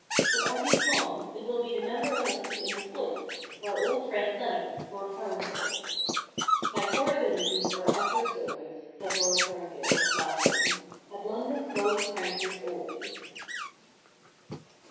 * But as he's gone, it will be the member elected in his place — our old friend Leonard, Lord HerngilL' * My poor abilities are at your service,' said Lord Herngill, laughing, * at London's lowest prices always.'